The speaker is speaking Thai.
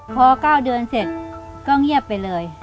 พอ๙เดือนเสร็จก็เงียบไปเลย